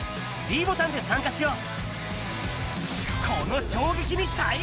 ｄボタンで参加しよう。